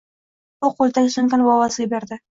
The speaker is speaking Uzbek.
U qoʻlidagi sumkani bobosiga berdi.